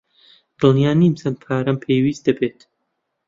دڵنیا نیم چەند پارەم پێویست دەبێت.